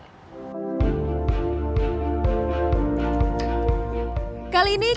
kali ini kita akan membuat kue kue